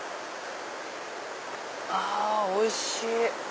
あおいしい！